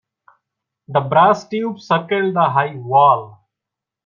The brass tube circled the high wall.